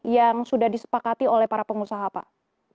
yang sudah disepakati oleh para pengusaha pak